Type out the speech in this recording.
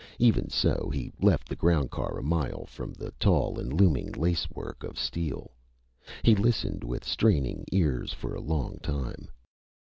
Even so, he left the ground car a mile from the tall and looming lacework of steel. He listened with straining ears for a long time.